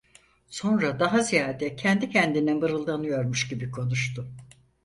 Sonra, daha ziyade kendi kendine mırıldanıyormuş gibi konuştu.